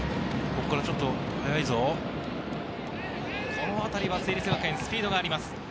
このあたりは成立学園、スピードがあります。